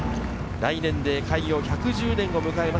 来年で開業１１０年を迎えます